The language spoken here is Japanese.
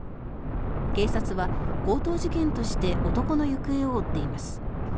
警察は、強盗事件として男の行方を追っています。